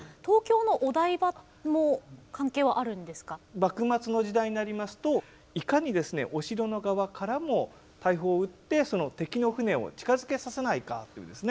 幕末の時代になりますといかにですねお城の側からも大砲を撃って敵の船を近づけさせないかというですね